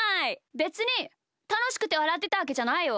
べつにたのしくてわらってたわけじゃないよ。